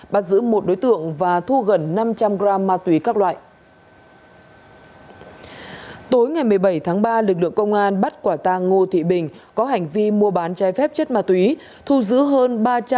bắt giữ một đối tượng và thu gần